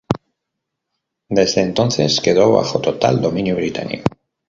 Desde entonces, quedó bajo total dominio británico.